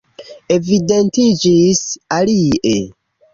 Evidentiĝis alie.